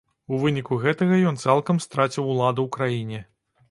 У выніку гэтага ён цалкам страціў уладу ў краіне.